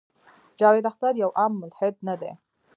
جاوېد اختر يو عام ملحد نۀ دے